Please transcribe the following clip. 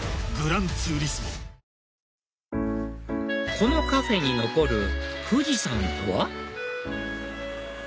このカフェに残る富士山とは？